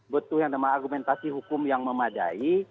butuh yang namanya argumentasi hukum yang memadai